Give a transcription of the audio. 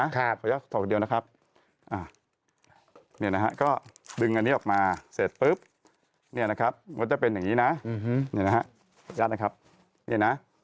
ก็แย่งเข้าไปในนี้